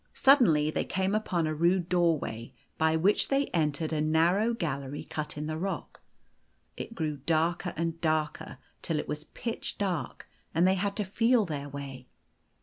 Suddenly they came upon a rude doorway, The Golden Key 193 by which they entered a narrow gallery cut in the rock. It grew darker and darker, till it was pitch dark, and they had to feel their way.